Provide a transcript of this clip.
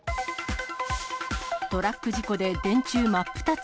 トラック事故で電柱真っ二つ。